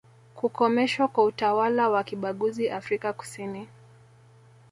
kukomeshwa kwa utawala wa kibaguzi Afrika kusini